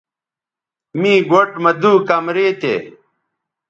می گوٹھ مہ دُو کمرے تھے